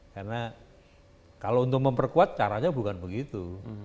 karena kalau untuk memperkuat caranya bukan begitu